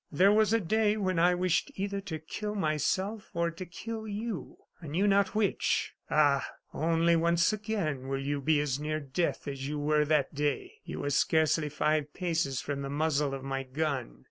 There was a day when I wished either to kill myself or to kill you, I knew not which. Ah! only once again will you be as near death as you were that day. You were scarcely five paces from the muzzle of my gun.